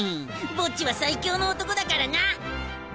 ボッジは最強の男だからな。